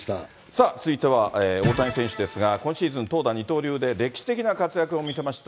ーつづいては大谷選手ですが、今シーズン、投打二刀流で歴史的な活躍を見せました